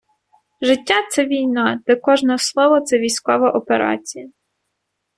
Життя — це війна, де кожне слово — це військова операція.